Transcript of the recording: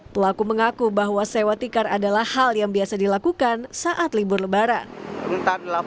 pelaku mengaku bahwa sewa tikar adalah hal yang biasa dilakukan saat libur lebaran